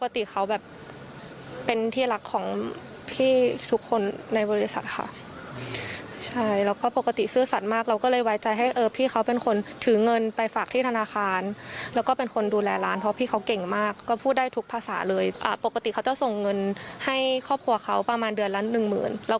ที่ปกติเขาให้กับครอบครัวที่หนึ่งหมื่นบาท